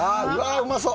うまそう！